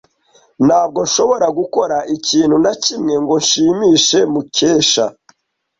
Ntabwo nshobora gukora ikintu na kimwe ngo nshimishe Mukesha.